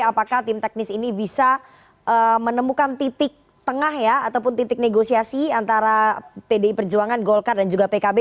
apakah tim teknis ini bisa menemukan titik tengah ya ataupun titik negosiasi antara pdi perjuangan golkar dan juga pkb